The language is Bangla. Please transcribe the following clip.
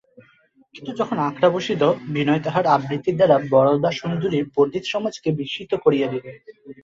কিন্তু যখন আখড়া বসিল, বিনয় তাহার আবৃত্তির দ্বারা বরদাসুন্দরীর পণ্ডিতসমাজকে বিস্মিত করিয়া দিল।